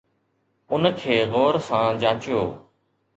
ان کي غور سان جانچيو.